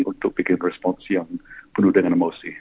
untuk bikin respons yang penuh dengan emosi